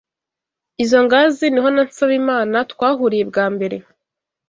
Izo ngazi niho na Nsabimana twahuriye bwa mbere.